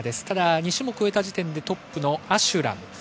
２種目を終えた時点でトップはアシュラム。